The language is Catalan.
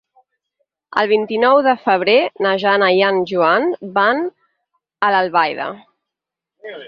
El vint-i-nou de febrer na Jana i en Joan van a Albaida.